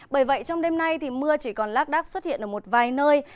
bởi vậy trong đêm nay thì mưa chỉ còn lát đát xuất hiện ở một vài nơi